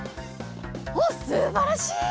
おっすばらしい！